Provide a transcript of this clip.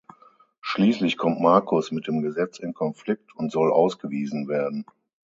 Schließlich kommt Marcus mit dem Gesetz in Konflikt und soll ausgewiesen werden.